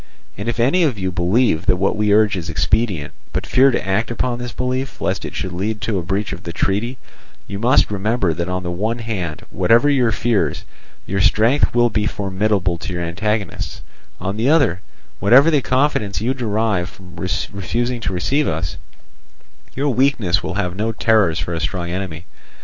And if any of you believe that what we urge is expedient, but fear to act upon this belief, lest it should lead to a breach of the treaty, you must remember that on the one hand, whatever your fears, your strength will be formidable to your antagonists; on the other, whatever the confidence you derive from refusing to receive us, your weakness will have no terrors for a strong enemy.